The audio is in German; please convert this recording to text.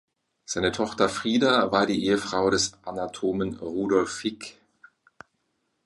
Seine Tochter Frieda war die Ehefrau des Anatomen Rudolf Fick.